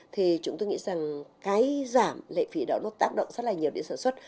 thì chúng tôi nghĩ rằng cái giảm lệ phí đó nó tác động rất là nhiều đến sản xuất